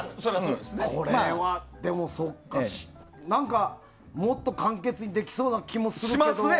でも、もっと簡潔にできそうな気もするけどね。